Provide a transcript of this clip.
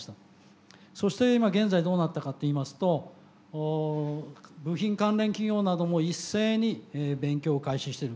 そして今現在どうなったかっていいますと部品関連企業なども一斉に勉強を開始している。